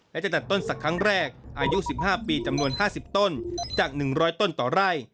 และจะตัดต้นสักครั้งแรกอายุ๑๕ปีจำนวน๕๐ต้นจาก๑๐๐ต้นต่อไร่